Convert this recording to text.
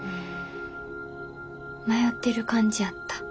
迷ってる感じやった。